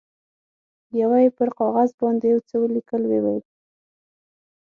یوه یې پر کاغذ باندې یو څه ولیکل، ویې ویل.